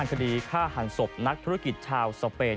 คดีฆ่าหันศพนักธุรกิจชาวสเปน